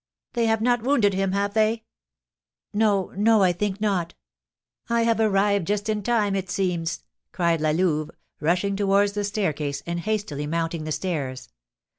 "They have not wounded him, have they?" "No, no, I think not!" "I have arrived just in time, it seems," cried La Louve, rushing towards the staircase, and hastily mounting the stairs.